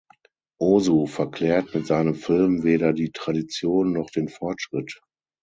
Ozu verklärt mit seinem Film weder die Tradition noch den Fortschritt.